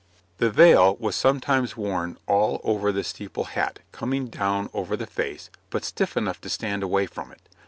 ] The veil was sometimes worn all over the steeple hat, coming down over the face, but stiff enough to stand away from it.